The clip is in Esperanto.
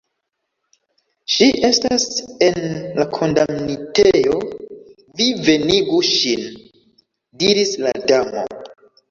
"Ŝi estas en la kondamnitejo, vi venigu ŝin," diris la Damo.